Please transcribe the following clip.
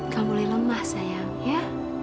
kamu boleh lemah sayang ya